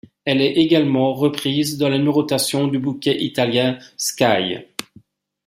Elle est également reprise dans la numérotation du bouquet italien Sky.